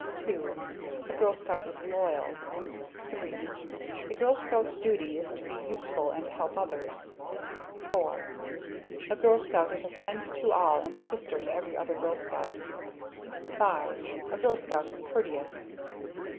II A Girl Scout is loyal. III A Girl Scout's Duty is to be useful and to help others. IV A Girl Scout is a friend to all, and a sister to every other Girl Scout. V A Girl Scout is Courteous.